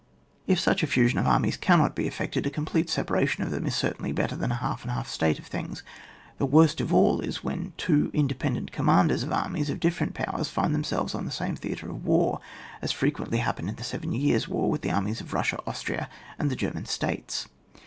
If such a fusion of armies cannot be effected, a complete separation of them is certainly better than a half and half state of things ; the worst of all is when two independent Commanders of armies of different powers find themselves on the same theatre of war, as frequently hap pened in the Seven Years' War with the armies of Sussia, Austria, and the Ger man States.